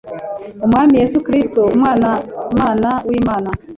Umwami Yesu Kristo, Umwana-mana w’Imana,